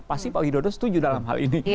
pasti pak widodo setuju dalam hal ini